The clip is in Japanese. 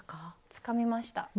つかみました。